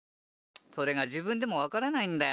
それがじぶんでもわからないんだよ。